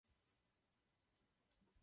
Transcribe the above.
Jen tak si polehávám v posteli.